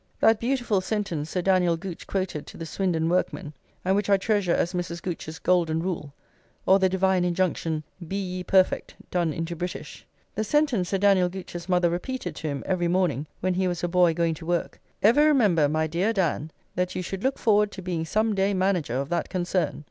That beautiful sentence Sir Daniel Gooch quoted to the Swindon workmen, and which I treasure as Mrs. Gooch's Golden Rule, or the Divine Injunction "Be ye Perfect" done into British, the sentence Sir Daniel Gooch's mother repeated to him every morning when he was a boy going to work: "Ever remember, my dear Dan, that you should look forward to being some day manager of that concern!"